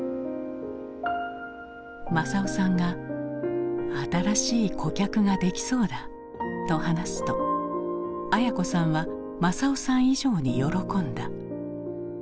政男さんが「新しい顧客ができそうだ」と話すと文子さんは政男さん以上に喜んだ。